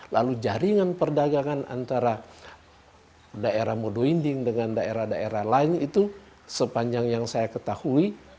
lalu jaringan perdagangan antara daerah modo inding dengan daerah daerah lain itu sepanjang yang saya ketahui